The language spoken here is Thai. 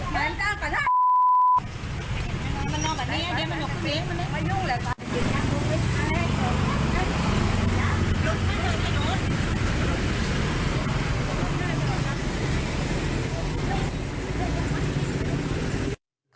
มันไม่ยุ่งเลยค่ะ